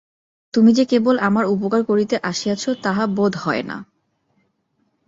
তুমি যে কেবল আমার উপকার করিতে আসিয়াছ তাহা বোধ হয় না।